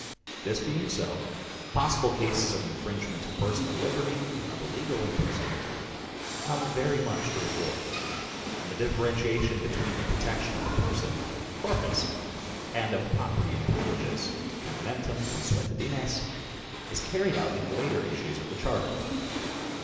This being so, possible cases of infringement of personal liberty, of illegal imprisonment, come very much to the fore, and the differentiation between the protection of the person (" corpus "\ and of property and privileges (" tenementum, consuetudines ") is carried out in the later issues of the Charter.